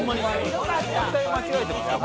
絶対間違えてますから。